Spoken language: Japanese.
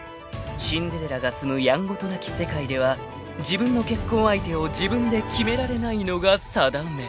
［シンデレラが住むやんごとなき世界では自分の結婚相手を自分で決められないのが定め］